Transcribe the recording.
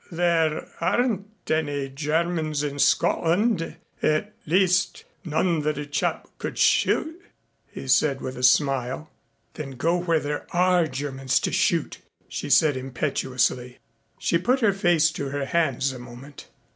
"But there aren't any Germans in Scotland at least none that a chap could shoot," he said with a smile. "Then go where there are Germans to shoot," she said impetuously. She put her face to her hands a moment.